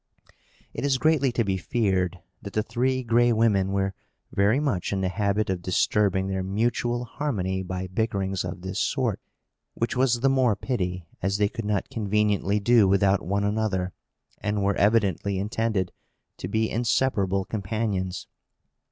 It is greatly to be feared that the Three Gray Women were very much in the habit of disturbing their mutual harmony by bickerings of this sort; which was the more pity, as they could not conveniently do without one another, and were evidently intended to be inseparable companions.